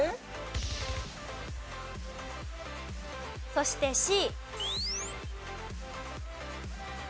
そしてＣ。